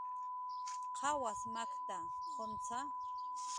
¿Qawas makta, quntza?